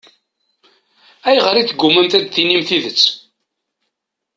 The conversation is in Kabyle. Ayɣer i teggummamt ad d-tinimt tidet?